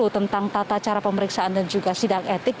tentang tata cara pemeriksaan dan juga sidang etik